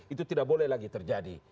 itu tidak boleh lagi terjadi